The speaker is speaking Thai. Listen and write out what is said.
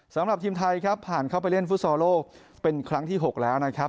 สำหรับทีมไทยครับผ่านเข้าไปเล่นฟุตซอลโลกเป็นครั้งที่๖แล้วนะครับ